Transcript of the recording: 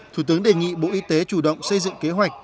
thủ tướng đề nghị bộ y tế chủ động xây dựng kế hoạch